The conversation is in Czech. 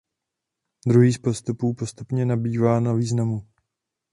Druhý z postupů postupně nabývá na významu.